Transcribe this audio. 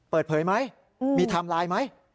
เปิดเผยไหมมีทำลายไหม